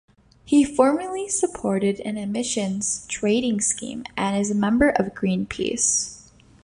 He formerly supported an emissions trading scheme and is a member of Greenpeace.